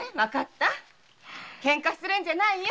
ケンカするんじゃないよ。